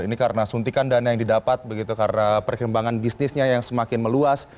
ini karena suntikan dana yang didapat begitu karena perkembangan bisnisnya yang semakin meluas